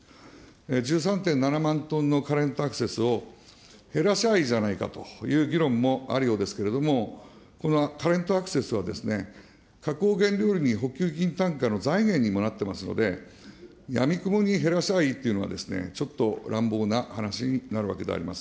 １３．７万トンのカレント・アクセスを減らしゃいいじゃないかという議論もあるようですけれども、このカレント・アクセスは、加工原料に補給金単価の財源にもなっていますので、やみくもに減らしゃいいというのは、ちょっと乱暴な話になるわけであります。